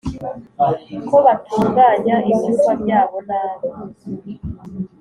Ko batunganya ibyumba byabo nabi